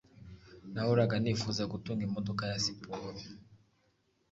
Nahoraga nifuza gutunga imodoka ya siporo.